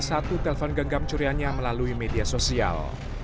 satu telpon genggam curiannya melalui media sosial